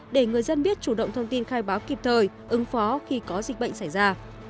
để người dân biết chủ động thông tin khai báo kịp thời ứng phó khi có dịch bệnh xảy ra